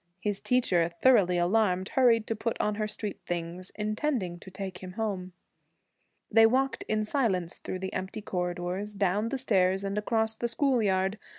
His teacher, thoroughly alarmed, hurriedly put on her street things, intending to take him home. They walked in silence through the empty corridors, down the stairs, and across the school yard.